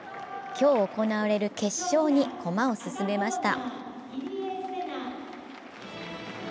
今日行われる決勝に駒を進めました。